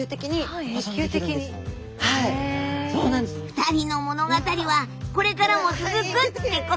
２人の物語はこれからも続くってことだね。